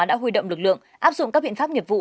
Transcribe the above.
đã huy động lực lượng áp dụng các biện pháp nghiệp vụ